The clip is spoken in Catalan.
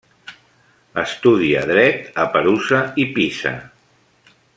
Estudia dret a Perusa i Pisa.